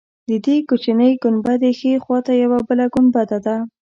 د دې کوچنۍ ګنبدې ښی خوا ته یوه بله ګنبده ده.